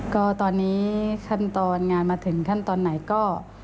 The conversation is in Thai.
ก็ตอนนี้ขั้นตอนงานมาถึงขั้นตอนไหนก็